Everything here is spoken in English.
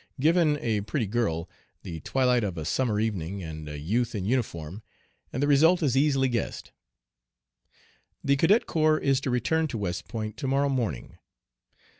Given, a pretty girl, the twilight of a summer evening, and a youth in uniform, and the result is easily guessed. "The Cadet Corps is to return to West Point to morrow morning.